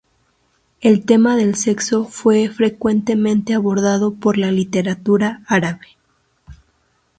El tema del sexo fue frecuentemente abordado por la literatura árabe.